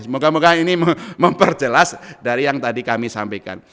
moga moga ini memperjelas dari yang tadi kami sampaikan